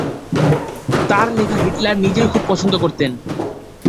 তার লেখা হিটলার নিজেই খুব পছন্দ করতেন।